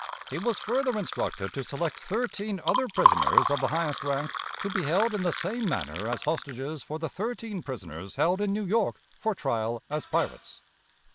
He was further instructed to select thirteen other prisoners of the highest rank, to be held in the same manner as hostages for the thirteen prisoners held in New York for trial as pirates.